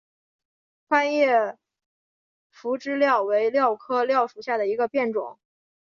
宽叶匐枝蓼为蓼科蓼属下的一个变种。